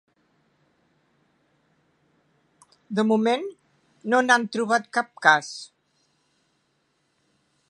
De moment no n'han trobat cap cas.